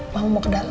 mama mau ke dalam